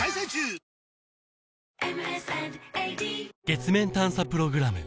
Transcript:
月面探査プログラム